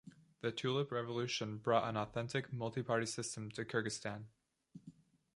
The Tulip Revolution brought an authentic multi-party system to Kyrgyzstan.